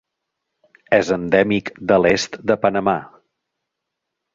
És endèmic de l'est de Panamà.